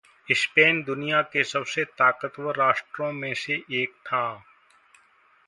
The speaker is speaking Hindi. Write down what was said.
स्पेन दुनिया के सबसे ताकतवर राष्ट्रों में से एक था।